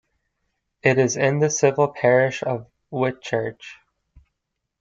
It is in the civil parish of Witchurch.